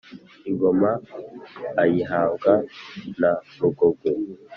ingoma ayihabwa na rugogwe.